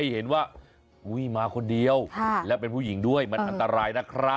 เห็นว่ามาคนเดียวมันอันตราย